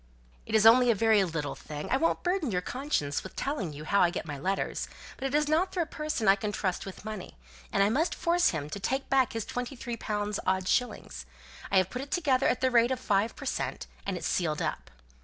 "It is only a very little thing. I won't burden your conscience with telling you how I got my letters, but it is not through a person I can trust with money; and I must force him to take back his twenty three pounds odd shillings. I have put it together at the rate of five per cent., and it's sealed up.